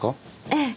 ええ。